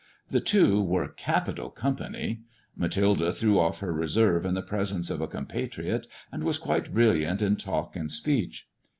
The two were capital company. Mathilde threw o£E her reserve in the presence of a compatriot, and was quite brilliant in talk and speech.